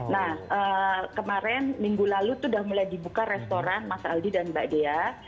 nah kemarin minggu lalu itu sudah mulai dibuka restoran mas aldi dan mbak dea